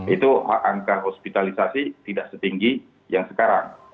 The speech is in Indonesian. itu angka hospitalisasi tidak setinggi yang sekarang